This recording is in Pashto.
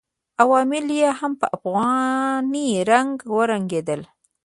عوامل یې هم په افغاني رنګ ورنګېدل.